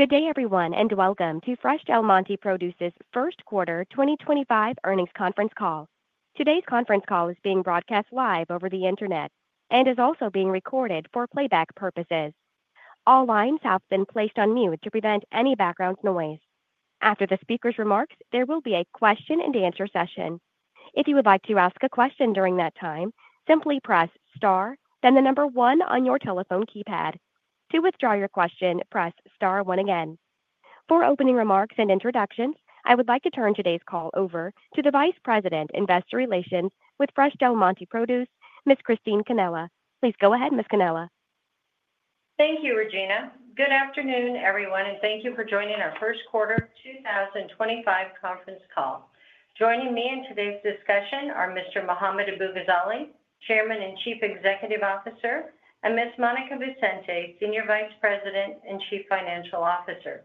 Good day everyone and welcome to Fresh Del Monte Produce's First Quarter 2025 Earnings Conference Call. Today's conference call is being broadcast live over the Internet and is also being recorded for playback purposes. All lines have been placed on mute to prevent any background noise. After the speaker's remarks, there will be a question and answer session. If you would like to ask a question during that time, simply press star then the number one on your telephone keypad. To withdraw your question, press star one again. For opening remarks and introductions, I would like to turn today's call over to the Vice President of Investor Relations with Fresh Del Monte Produce, Miss Christine Cannella. Please go ahead, Miss Cannella. Thank you. Regina. Good afternoon everyone and thank you for joining our First Quarter 2025 Conference Call. Joining me in today's discussion are Mr. Mohammad Abu-Ghazaleh, Chairman and Chief Executive Officer, and Ms. Monica Vicente, Senior Vice President and Chief Financial Officer.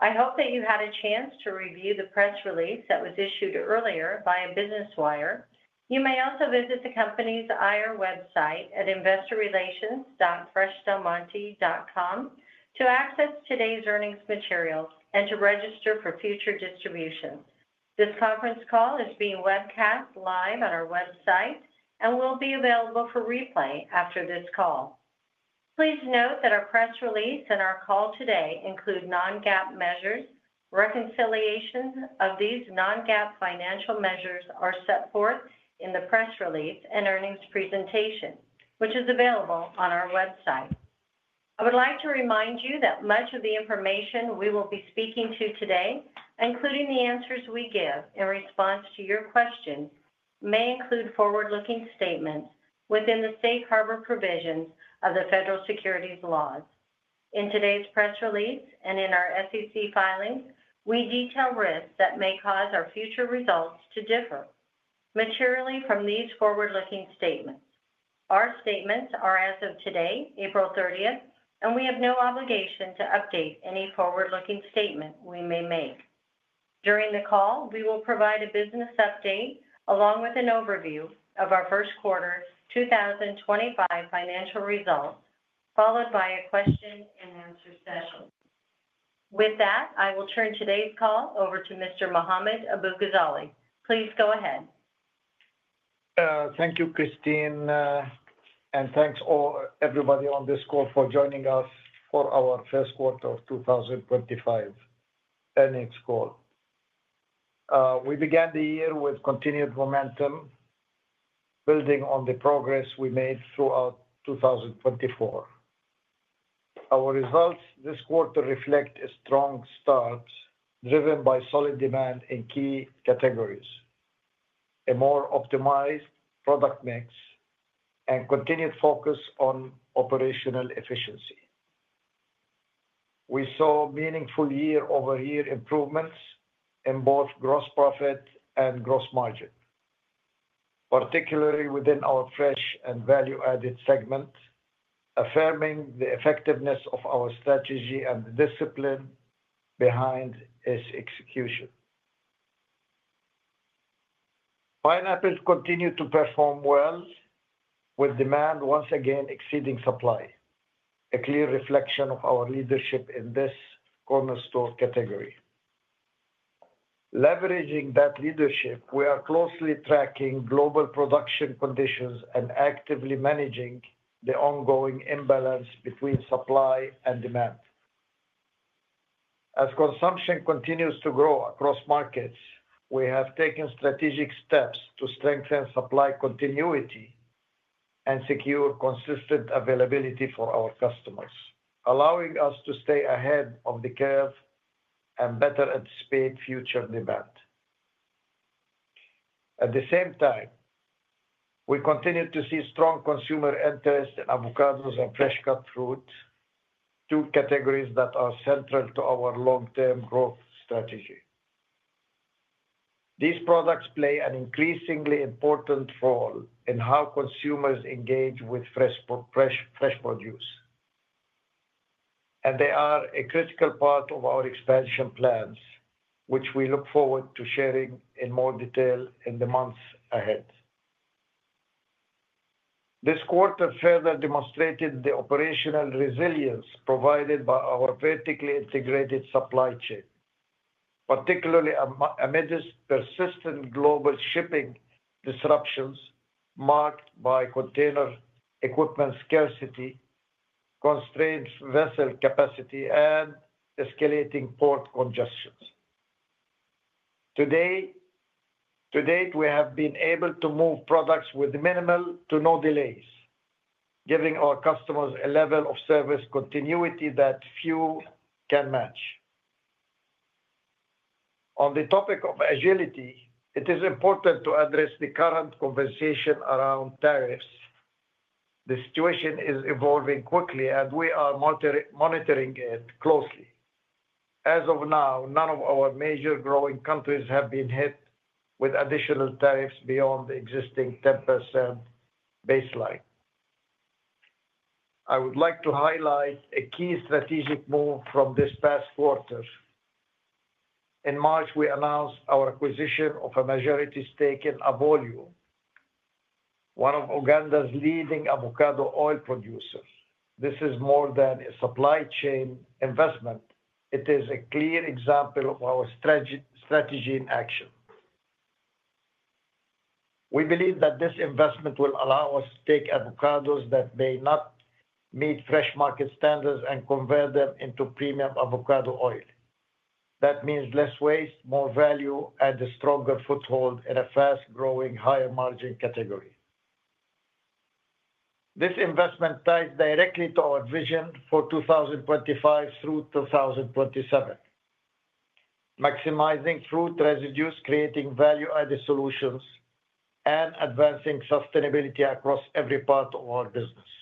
I hope that you had a chance to review the press release that was issued earlier via Business Wire. You may also visit the company's IR website at investorrelations.freshdelmonte.com to access today's earnings material and to register for future distribution. This conference call is being webcast live on our website and will be available for replay after this call. Please note that our press release and our call today include non-GAAP measures. Reconciliations of these non-GAAP financial measures are set forth in the press release and earnings presentation which is available on our website. I would like to remind you that much of the information we will be speaking to today, again including the answers we give in response to your question, may include forward looking statements within the safe harbor provisions of the Federal securities laws. In today's press release and in our SEC filings, we detail risks that may cause our future results to differ materially from these forward looking statements. Our statements are as of today April 30 and we have no obligation to update any forward looking statement we may make. During the call we will provide a business update along with an overview of our first quarter 2025 financial results followed by a question and answer session. With that, I will turn today's call over to Mr. Mohammad Abu-Ghazaleh. Please go ahead. Thank you, Christine, and thanks everybody on this call for joining us. For our first quarter of 2025, we began the year with continued momentum, building on the progress we made throughout 2024. Our results this quarter reflect a strong start driven by solid demand in key categories, a more optimized product mix, and continued focus on operational efficiency. We saw meaningful year-over-year improvements in both gross profit and gross margin, particularly within our fresh and value-added segment, affirming the effectiveness of our strategy and discipline behind its execution. Pineapples continue to perform well with demand once again exceeding supply, a clear reflection of our leadership in this cornerstone category. Leveraging that leadership, we are closely tracking global production conditions and actively managing the ongoing imbalance between supply and demand. As consumption continues to grow across markets, we have taken strategic steps to strengthen supply continuity and secure consistent availability for our customers, allowing us to stay ahead of the curve and better anticipate future demand. At the same time, we continue to see strong consumer interest in avocados and fresh cut fruit, two categories that are central to our long term growth strategy. These products play an increasingly important role in how consumers engage with fresh produce and they are a critical part of our expansion plans, which we look forward to sharing in more detail in the months ahead. This quarter further demonstrated the operational resilience provided by our vertically integrated supply chain, particularly amid persistent global shipping disruptions marked by container equipment scarcity, constrained vessel capacity and escalating port congestions. To date, we have been able to move products with minimal to no delays, giving our customers a level of service continuity that few can match. On the topic of agility, it is important to address the current conversation around tariffs. The situation is evolving quickly and we are monitoring it closely. As of now, none of our major growing countries have been hit with additional tariffs beyond the existing 10% baseline. I would like to highlight a key strategic move from this past quarter. In March, we announced our acquisition of a majority stake in Avolo, one of Uganda's leading avocado oil producers. This is more than a supply chain investment, it is a clear example of our strategy in action. We believe that this investment will allow us to take avocados that may not meet fresh market standards and convert them into premium avocado oil. That means less waste, more value, and a stronger foothold in a fast growing higher margin category. This investment ties directly to our vision for 2025 through 2027, maximizing fruit residues, creating value added solutions, and advancing sustainability across every part of our business.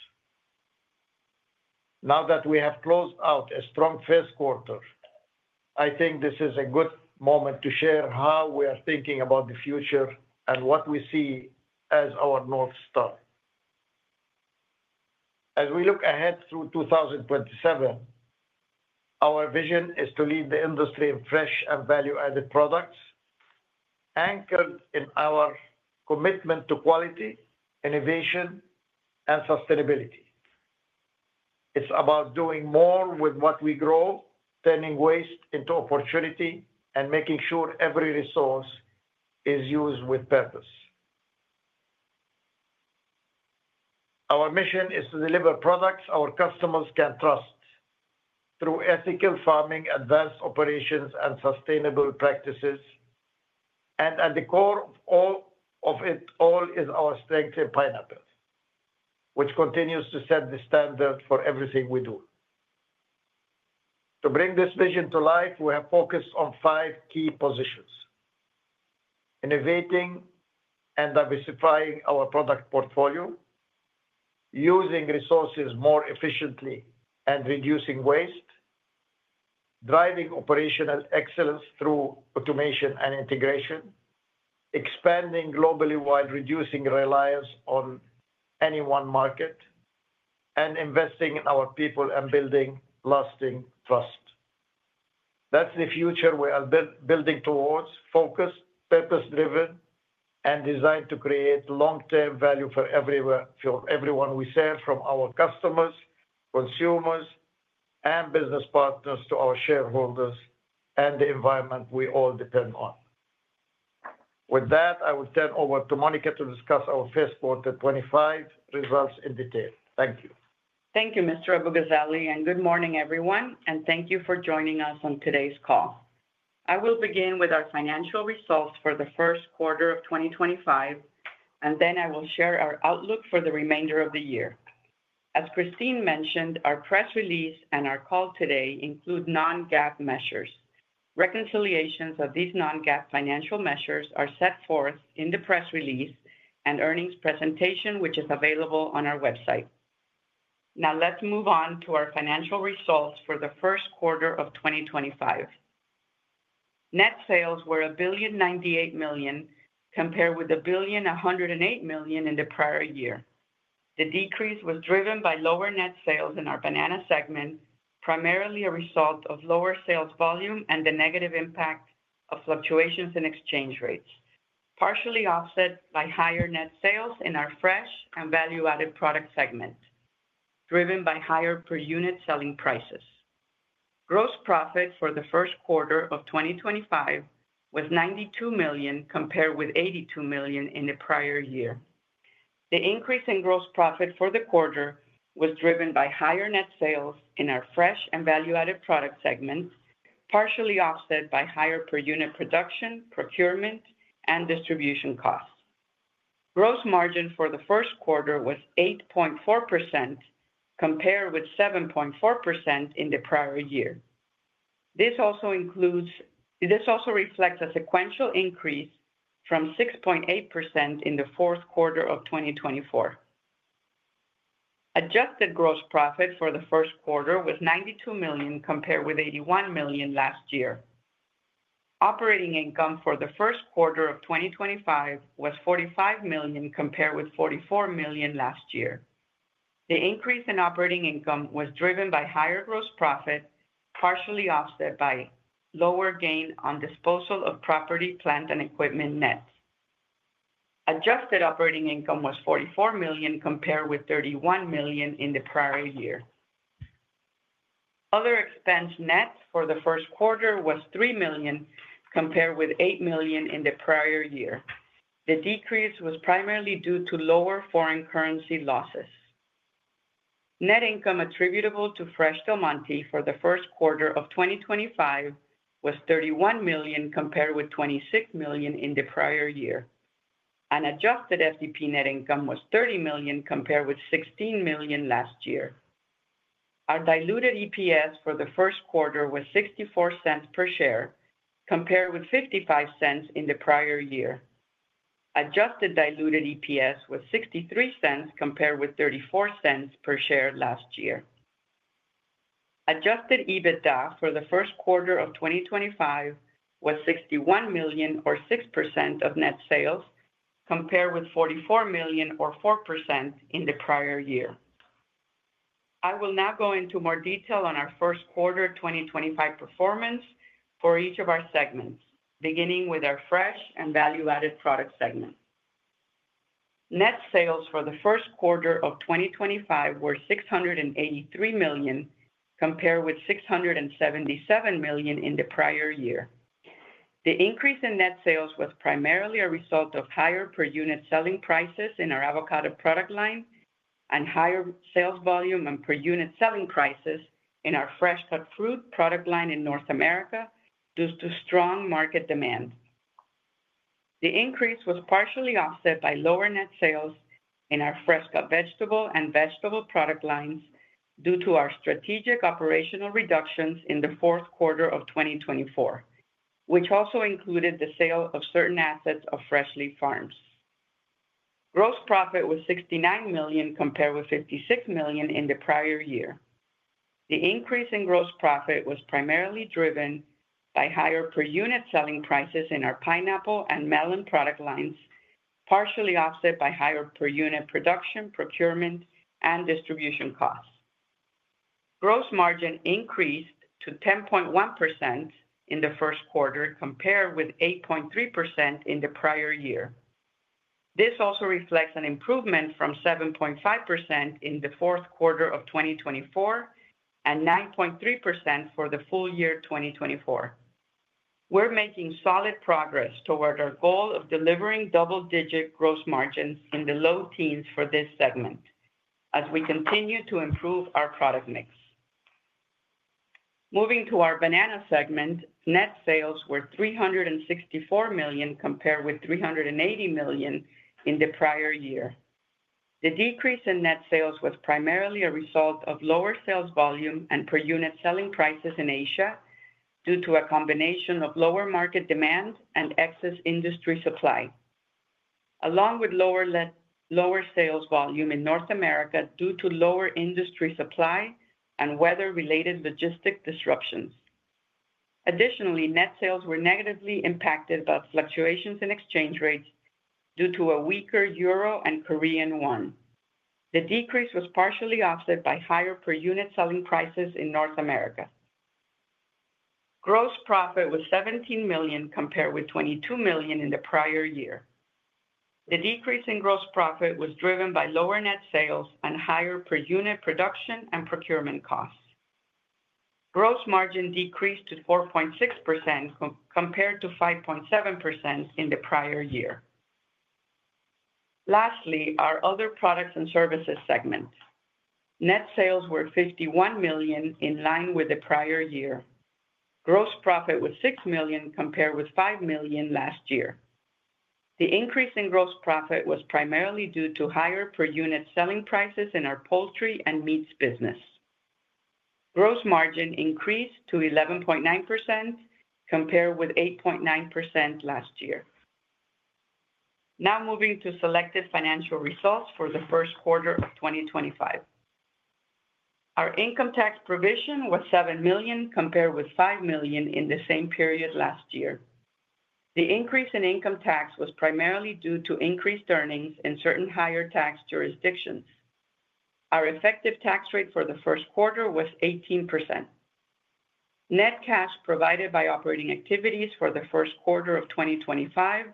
Now that we have closed out a strong first quarter, I think this is a good moment to share how we are thinking about the future and what we see as our North Star. As we look ahead through 2027. Our vision is to lead the industry in fresh and value added products, anchored in our commitment to quality, innovation, and sustainability. It is about doing more with what we grow, turning waste into opportunity, and making sure every resource is used with purpose. Our mission is to deliver products our customers can trust through ethical farming, advanced operations, and sustainable practices. At the core of it all is our strength in Pineapple, which continues to set the standard for everything we do. To bring this vision to life, we have focused on five key positions: innovating and diversifying our product portfolio, using resources more efficiently and reducing waste, driving operational excellence through automation and integration, expanding globally while reducing reliance on any one market, and investing in our people and building lasting trust. That is the future we are building towards. Focused, purpose driven and designed to create long term value for everyone we serve, from our customers, consumers and business partners to our shareholders and the environment we all depend on. With that, I will turn over to Monica to discuss our first quarter 2025 results in detail. Thank you, thank you, Mr. Abu-Ghazaleh, and good morning everyone, and thank you for joining us on today's call. I will begin with our financial results for the first quarter of 2025, and then I will share our outlook for the remainder of the year. As Christine mentioned, our press release and our call today include non-GAAP measures. Reconciliations of these non-GAAP financial measures are set forth in the press release and earnings presentation, which is available on our website. Now, let's move on to our financial results for the first quarter of 2025. Net sales were $1,098,000,000 compared with $1,108,000,000 in the prior year. The decrease was driven by lower net sales in our banana segment, primarily a result of lower sales volume and the negative impact of fluctuations in exchange rates, partially offset by higher net sales in our fresh and value added product segment, driven by higher per unit selling prices. Gross profit for the first quarter of 2025 was $92 million compared with $82 million in the prior year. The increase in gross profit for the quarter was driven by higher net sales in our fresh and value added product segment, partially offset by higher per unit production, procurement and distribution costs. Gross margin for the first quarter was 8.4% compared with 7.4% in the prior year. This also reflects a sequential increase from 6.8% in the fourth quarter of 2024. Adjusted gross profit for the first quarter was $92 million compared with $81 million last year. Operating income for the first quarter of 2025 was $45 million compared with $44 million last year. The increase in operating income was driven by higher gross profit, partially offset by lower gain on disposal of property, plant and equipment. Net adjusted operating income was $44 million compared with $31 million in the prior year. Other expense net for the first quarter was $3 million compared with $8 million in the prior year. The decrease was primarily due to lower foreign currency losses. Net income attributable to Fresh Del Monte Produce for the first quarter of 2025 was $31 million compared with $26 million in the prior year and adjusted FDP net income was $30 million compared with $16 million last year. Our diluted EPS for the first quarter was $0.64 per share compared with $0.55 in the prior year. Adjusted diluted EPS was $0.63 compared with $0.34 per share last year. Adjusted EBITDA for the first quarter of 2025 was $61 million or 6% of net sales compared with $44 million or 4% in the prior year. I will now go into more detail on our first quarter 2025 performance for each of our segments beginning with our fresh and value added product segment. Net sales for the first quarter of 2025 were $683 million compared with $677 million in the prior year. The increase in net sales was primarily a result of higher per unit selling prices in our avocado product line and higher sales volume and per unit selling prices in our fresh cut fruit product line in North America due to strong market demand. The increase was partially offset by lower net sales in our fresh cut vegetable and vegetable product lines due to our strategic operational reductions in the fourth quarter of 2024, which also included the sale of certain assets of Fresh Leaf Farms. Gross profit was $69 million compared with $56 million in the prior year. The increase in gross profit was primarily driven by higher per unit selling prices in our pineapple and melon product lines, partially offset by higher per unit production, procurement, and distribution costs. Gross margin increased to 10.1% in the first quarter compared with 8.3% in the prior year. This also reflects an improvement from 7.5% in the fourth quarter of 2024 and 9.3% for the full year 2024. We're making solid progress toward our goal of delivering double-digit gross margins in the low teens for this segment as we continue to improve our product mix. Moving to our banana segment, net sales were $364 million compared with $380 million in the prior year. The decrease in net sales was primarily a result of lower sales volume and per unit selling prices in Asia due to a combination of lower market demand and excess industry supply along with lower sales volume in North America due to lower industry supply and weather-related logistic disruptions. Additionally, net sales were negatively impacted by fluctuations in exchange rates due to a weaker Euro and Korean Won. The decrease was partially offset by higher per unit selling prices in North America. Gross profit was $17 million compared with $22 million in the prior year. The decrease in gross profit was driven by lower net sales and higher per unit production and procurement costs. Gross margin decreased to 4.6% compared to 5.7% in the prior year. Lastly, our other products and services segment net sales were $51 million in line with the prior year. Gross profit was $6 million compared with $5 million last year. The increase in gross profit was primarily due to higher per unit selling prices in our poultry and meats business. Gross margin increased to 11.9% compared with 8.9% last year. Now moving to selected financial results for the first quarter of 2025, our income tax provision was $7 million compared with $5 million in the same period last year. The increase in income tax was primarily due to increased earnings in certain higher tax jurisdictions. Our effective tax rate for the first quarter was 18%. Net cash provided by operating activities for the first quarter of 2025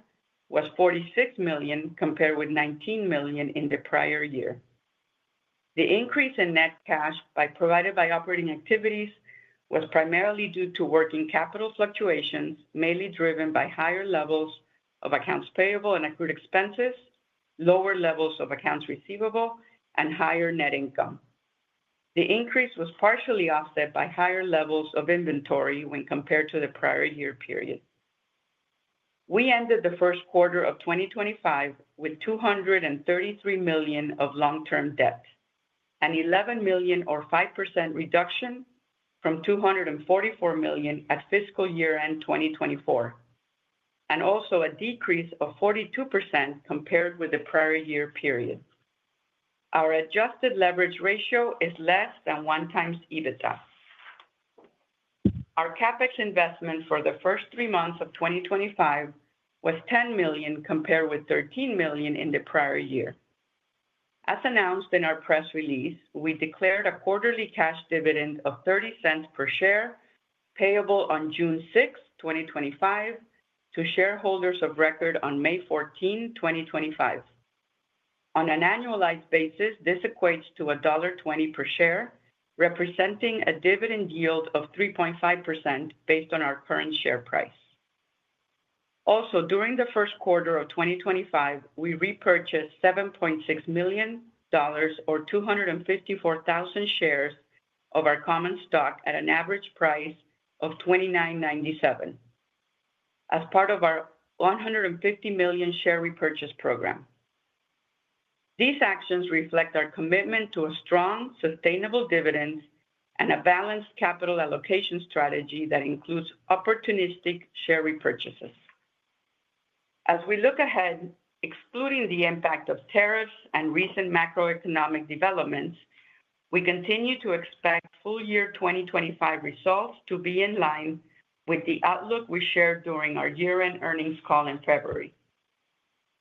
was $46 million compared with $19 million in the prior year. The increase in net cash provided by operating activities was primarily due to working capital fluctuations, mainly driven by higher levels of accounts payable and accrued expenses, lower levels of accounts receivable and higher net income. The increase was partially offset by higher levels of inventory when compared to the prior year period. We ended the first quarter of 2025 with $233 million of long term debt, an $11 million or 5% reduction from $244 million at fiscal year end 2024 and also a decrease of 42% compared with the prior year period. Our adjusted leverage ratio is less than 1 times EBITDA. Our CapEx investment for the first 3 months of 2025 was $10 million compared with $13 million in the prior year. As announced in our press release, we declared a quarterly cash dividend of $0.30 per share payable on June 6, 2025 to shareholders of record on May 14, 2025. On an annualized basis, this equates to $1.20 per share, representing a dividend yield of 3.5% based on our current share price. Also, during the first quarter of 2025, we repurchased $7.6 million or 254,000 shares of our common stock at an average price of $29.97 as part of our $150 million share repurchase program. These actions reflect our commitment to a strong sustainable dividend and a balanced capital allocation strategy that includes opportunistic share repurchases. As we look ahead, excluding the impact of tariffs and recent macroeconomic developments, we continue to expect full year 2025 results to be in line with the outlook we shared during our year end earnings call in February,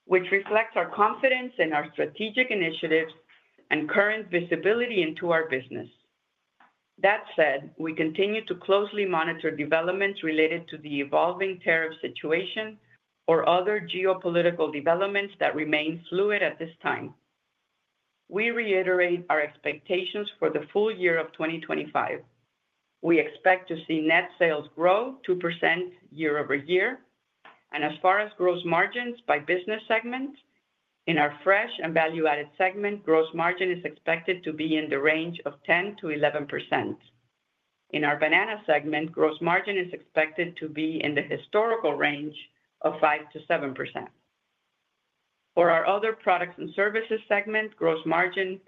which reflects our confidence in our strategic initiatives and current visibility into our business. That said, we continue to closely monitor developments related to the evolving tariff situation or other geopolitical developments that remain fluid at this time. We reiterate our expectations for the full year of 2025. We expect to see net sales grow 2% year over year. As far as gross margins by business segment, in our fresh and value added segment, gross margin is expected to be in the range of 10-11%. In our banana segment, gross margin is expected to be in the historical range of 5-7%. For our other products and services segment, gross margin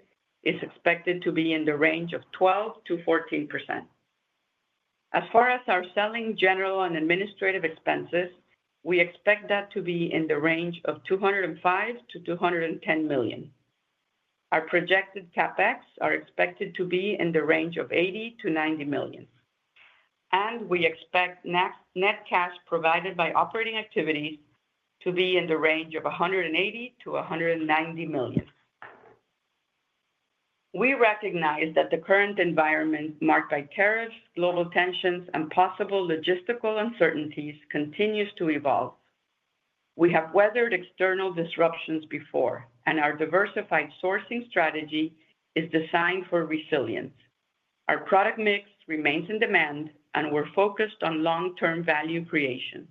is expected to be in the range of 12-14%. As far as our selling, general and administrative expenses, we expect that to be in the range of $205-$210 million. Our projected CapEx are expected to be in the range of $80-$90 million. We expect net cash provided by operating activities to be in the range of $180-$190 million. We recognize that the current environment marked by tariffs, global tensions and possible logistical uncertainties continues to evolve. We have weathered external disruptions before and our diversified sourcing strategy is designed for resilience. Our product mix remains in demand and we're focused on long term value creation.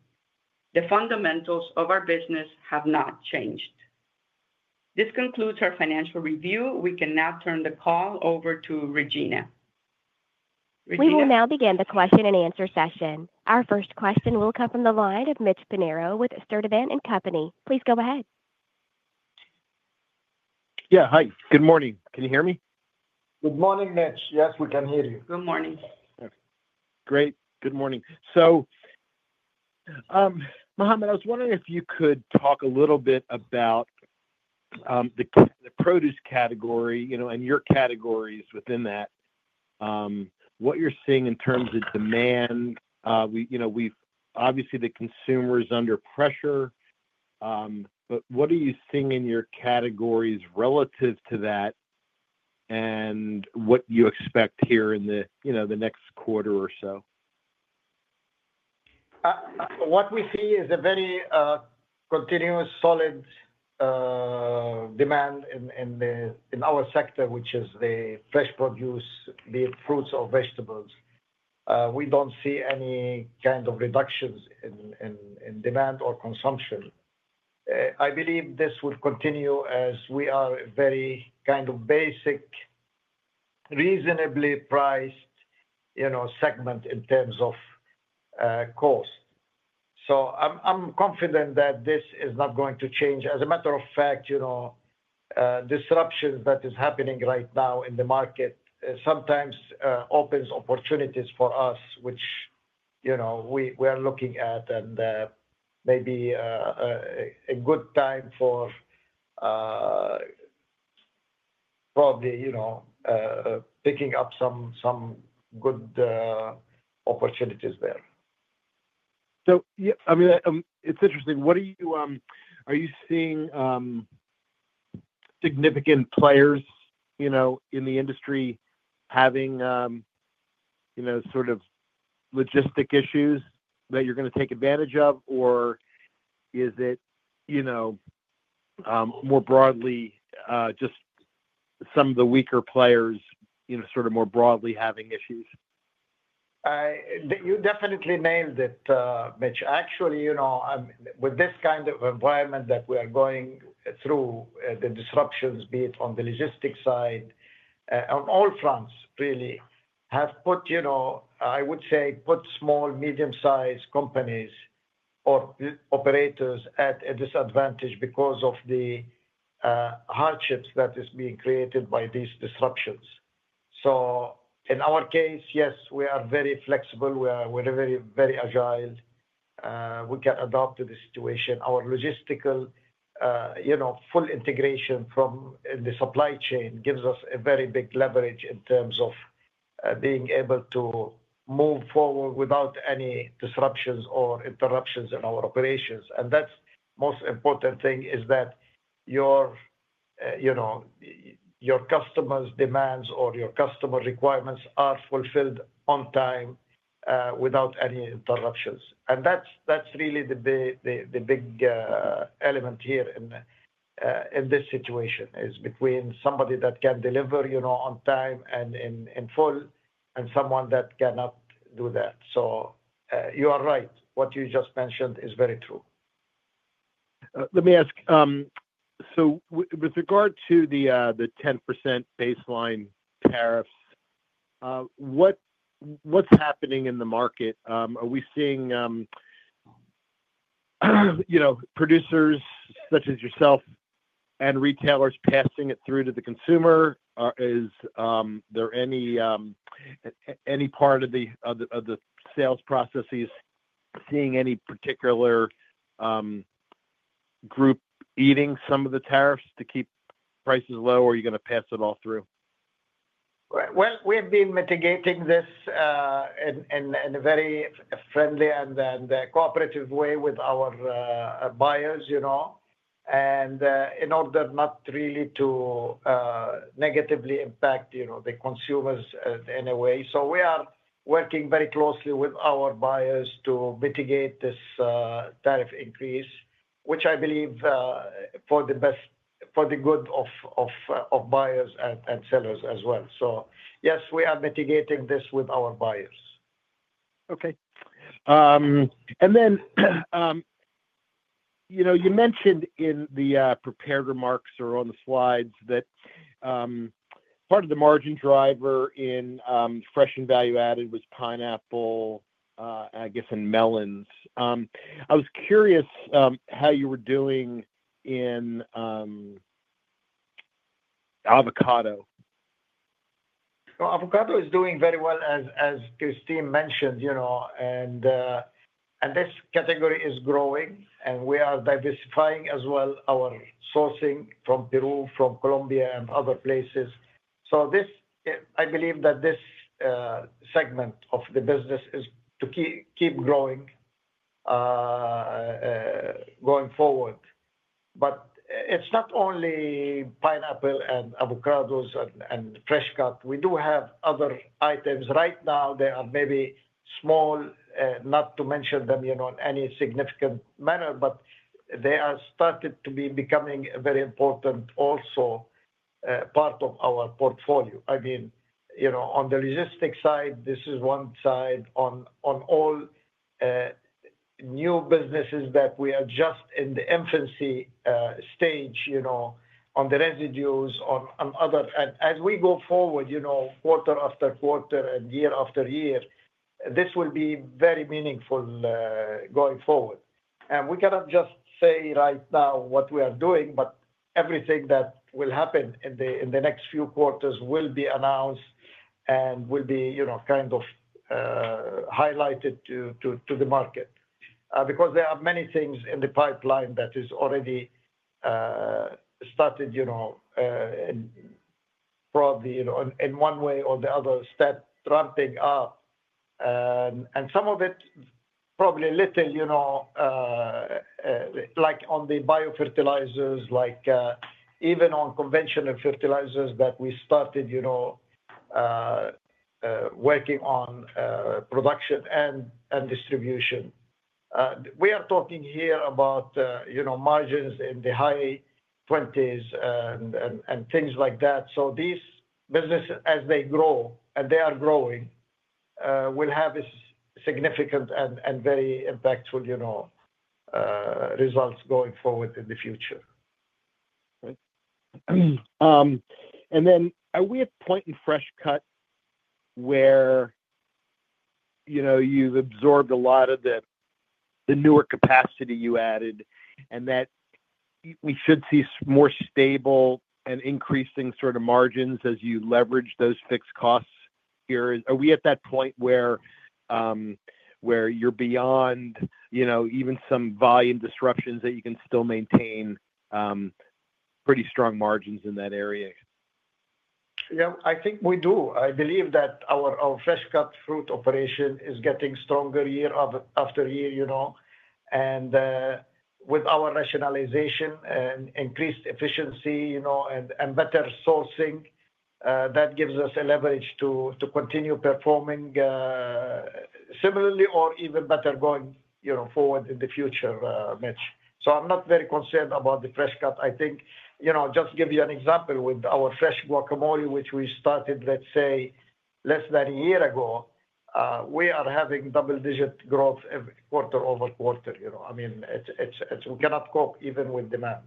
The fundamentals of our business have not changed. This concludes our financial review. We can now turn the call over to Regina. We will now begin the question and answer session. Our first question will come from the line of Mitch Pinheiro with Sturdivant and Company. Please go ahead. Yeah, hi, good morning. Can you hear me? Good morning, Mitch. Yes, we can hear you. Good morning. Great. Good morning. So. Mohammad, I was wondering if you. Could talk a little bit about the produce category, you know, and your categories within that, what you're seeing in terms of demand. We, you know, we've obviously the consumers under pressure. What are you seeing in your categories relative to that and what do you expect here in the, you know, the next quarter or so? What we see is a very continuous solid demand in our sector, which is the fresh produce, the fruits or vegetables. We do not see any kind of reductions in demand or consumption. I believe this will continue as we are very kind of basic, reasonably priced segment in terms of cost. I am confident that this is not going to change. As a matter of fact, disruptions that are happening right now in the market sometimes open opportunities for us, which, you know, we are looking at and maybe a good time for probably, you know, picking up some good opportunities there. I mean, it is interesting. What are you, are you seeing significant. Players, you know, in the industry having. You know, sort of logistic issues that. You're going to take advantage of? Or is it, you know, more broadly just some of the players, you know, sort of more broadly having issues? You definitely nailed it, Mitch. Actually, you know, with this kind of environment that we are going through, the disruptions, be it on the logistics side on all fronts, really have put, you know, I would say put small, medium sized companies or operators at a disadvantage because of the hardships that is being created by these disruptions. In our case, yes, we are very flexible, we're very, very agile. We can adapt to the situation. Our logistical, you know, full integration from the supply chain gives us a very big leverage in terms of being able to move forward without any disruptions or interruptions in our operations. The most important thing is that your, you know, your customers' demands or your customer requirements are fulfilled on time without any interruptions. That is really the big element here in this situation, between somebody that can deliver, you know, on time and in full and someone that cannot do that. You are right, what you just mentioned is very true. Let me ask, with regard to the 10% baseline tariffs, what's happening in the market? Are we seeing? You know, producers such as yourself and retailers passing it through to the consumer? Are we, is there any part of the sales processes seeing any particular. Group. Eating some of the tariffs to keep prices low, or are you gonna pass it all through? We have been mitigating this in a very friendly and cooperative way with our buyers, you know, and in order not really to negatively impact the consumers in a way. We are working very closely with our buyers to mitigate this tariff increase, which I believe for the good of buyers and sellers as well. Yes, we are mitigating this with our buyers. Okay. You mentioned in. The prepared remarks or on the slides that part of the margin driver in fresh and value added was pineapple, I guess, in melons. I was curious how you were doing in avocado. Avocado is doing very well, as Christine mentioned, you know, and this category is growing and we are diversifying as well. Our sourcing from Peru, from Colombia and other places. I believe that this segment of the business is to keep growing going forward. It's not only pineapple and avocados and fresh cut. We do have other items right now. They are maybe small, not to mention them, you know, any significant manner, but they are starting to be becoming very important also part of our portfolio. I mean, you know, on the logistics side, this is one side on all new businesses that we are just in the infancy stage, you know, on the residues on other. As we go forward, you know, quarter after quarter and year after year, this will be very meaningful going forward. We cannot just say right now what we are doing. Everything that will happen in the next few quarters will be announced and will be kind of highlighted to the market. There are many things in the pipeline that is already started probably in one way or the other, start ramping up. Some of it probably a little, you know, like on the biofertilizers, like even on conventional fertilizers that we started, you know, working on production and distribution. We are talking here about, you know, margins in the high 20% and things like that. These businesses, as they grow and they are growing, will have significant and very impactful, you know, results going forward in the future. Are we at point in fresh cut where, you know, you've absorbed a lot of the, the newer capacity you added and that we should see more stable and increasing sort of margins as you leverage those fixed costs here? Are we at that point where you're beyond, you know, even some volume disruptions, that you can still maintain pretty strong margins in that area? Yeah, I think we do. I believe that our fresh cut fruit operation is getting stronger year after year, you know, and with our rationalization and increased efficiency and better sourcing, that gives us a leverage to continue performing similarly or even better going forward in the future, Mitch. I am not very concerned about the fresh cut. I think just to give you an example, with our fresh guacamole, which we started, let's say less than a year ago, we are having double digit growth quarter over quarter, you know, I mean, we cannot cope even with demand.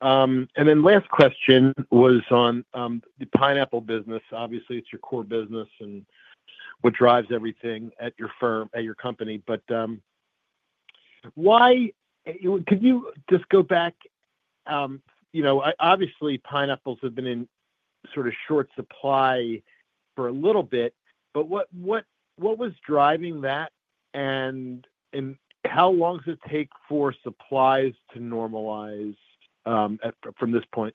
The last question was on the pineapple business. Obviously it's your core business and what drives everything at your firm, at your company, but why could you just go back? You know, obviously pineapples have been in sort of short supply for a little bit, but what was driving that and how long does it take for supplies to normalize from this point?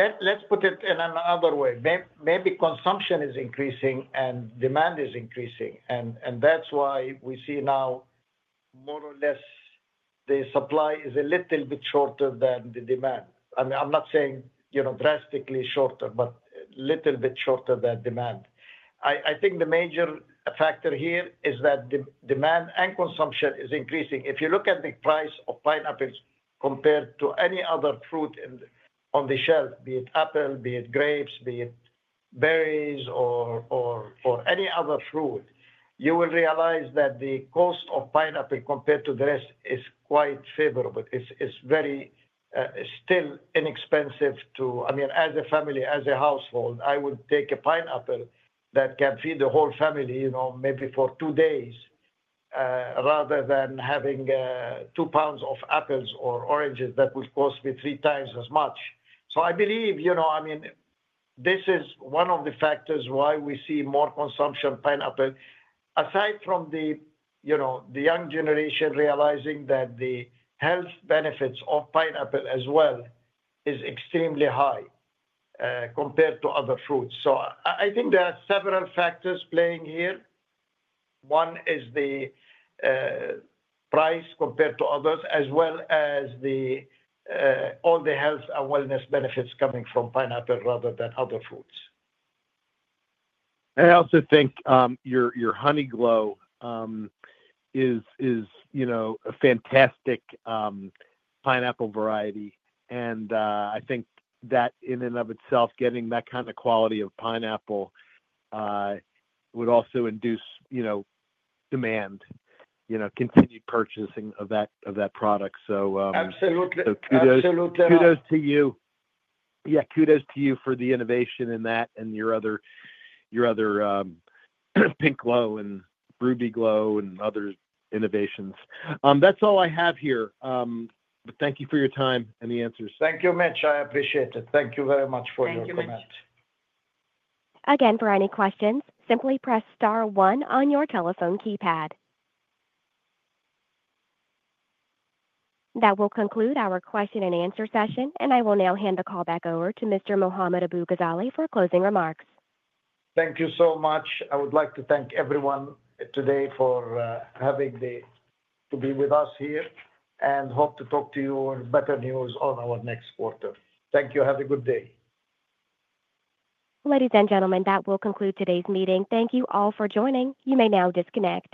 Let's put it in another way, maybe consumption is increasing and demand is increasing. That's why we see now more, more or less the supply is a little bit shorter than the demand. I mean, I'm not saying, you know, drastically shorter, but little bit shorter than demand. I think the major factor here is that the demand and consumption is increasing. If you look at the price of pineapples compared to any other fruit on the shelf, be it apple, be it grapes, be it berries or any other fruit, you will realize that the cost of pineapple compared to the rest is quite favorable. It's very still inexpensive to. I mean, as a family, as a household, I would take a pineapple that can feed the whole family, you know, maybe for two days, rather than having $2 of apples or oranges that would cost me three times as much. I believe, you know, I mean, this is one of the factors why we see more consumption of pineapple, aside from the young generation realizing that the health benefits of pineapple as well is extremely high compared to other fruits. I think there are several factors playing here. One is the price compared to others as well as all the health and wellness benefits coming from pineapple rather than other foods. I also think your Honeyglow is a fantastic pineapple variety. I think that in and of itself, getting that kind of quality of pineapple would also induce demand, you know, continued purchasing of that, of that product. Absolutely kudos to you. Yeah, kudos to you for the innovation in that and your other, your other Pinkglow and Rubyglow and other innovations. That's all I have here. Thank you for your time and the answers. Thank you, Mitch. I appreciate it. Thank you very much. Again, for any questions, simply press star 1 on your telephone keypad. That will conclude our question and answer session. I will now hand the call back over to Mr. Mohammad Abu-Ghazaleh for closing remarks. Thank you so much. I would like to thank everyone today for having the to be with us here and hope to talk to you. Better news on our next quarter. Thank you. Have a good day. Ladies and gentlemen, that will conclude today's meeting. Thank you all for joining. You may now disconnect.